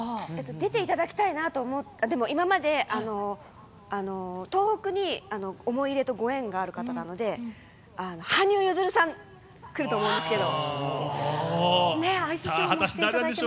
出ていただきたいなと、今まで、東北に思い入れとご縁がある方なので、羽生結弦さん、くると思いますけど。